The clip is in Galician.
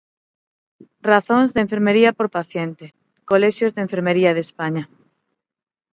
Razóns de enfermería por paciente, Colexios de Enfermería de España.